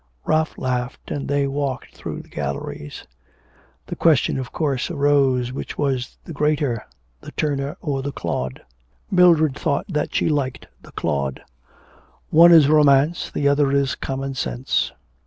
Ralph laughed, and they walked through the galleries. The question, of course, arose, which was the greater, the Turner or the Claude? Mildred thought that she liked the Claude. 'One is romance, the other is common sense.'